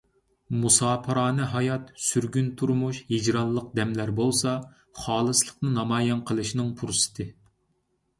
مۇساپىرانە ھايات، سۈرگۈن تۇرمۇش، ھىجرانلىق دەملەر بولسا، خالىسلىقنى نامايان قىلىشنىڭ پۇرسىتى.